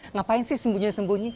ngapain sih sembunyi sembunyi